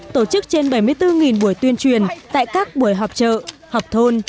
tổ chức trên bảy mươi bốn buổi tuyên truyền tại các buổi họp chợ họp thôn